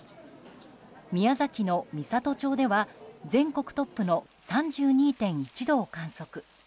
宮崎の美郷町では全国トップの３２．１度を観測。